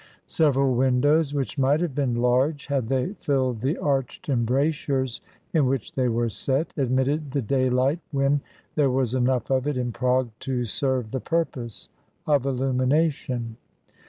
Several windows, which might have been large had they filled the arched embrasures in which they were set, admitted the daylight when there was enough of it in Prague to serve the purpose of illumination.